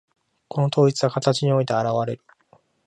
この統一は形において現われる。